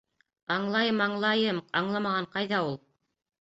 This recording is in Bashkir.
Аңлайым-аңлайым, аңламаған ҡайҙа ул!